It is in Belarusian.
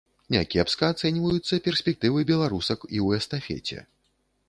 Някепска ацэньваюцца перспектывы беларусак і ў эстафеце.